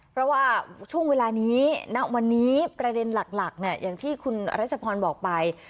เพราะว่าช่วงเวลานี้ณวันนี้ประเด็นหลักอย่างที่คุณรัชพรบอกไป